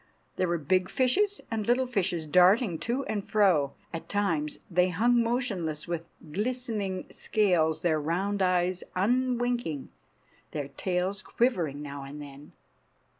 There were big fishes and little fishes darting to and fro. At times they hung motionless, with glistening scales, their round eyes unwinking, their tails quivering now and then.